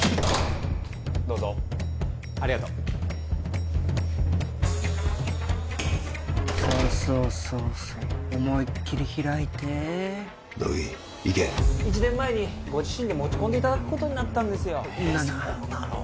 どうぞありがとうそうそうそうそう思いっきり開いて乃木行け１年前にご自身で持ち込んでいただくことになったんですよそうなの？